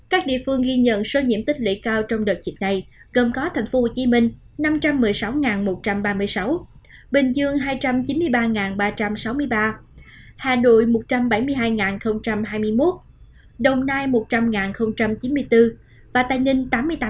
các địa phương ghi nhận số nhiễm tích lưỡi cao trong đợt dịch này gồm có thành phố hồ chí minh năm trăm một mươi sáu một trăm ba mươi sáu bình dương hai trăm chín mươi ba ba trăm sáu mươi ba hà nội một trăm bảy mươi hai hai mươi một đồng nai một trăm linh chín mươi bốn và tài ninh tám mươi tám bảy trăm bảy mươi